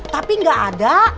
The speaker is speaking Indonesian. tapi gak ada